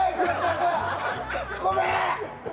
ごめん！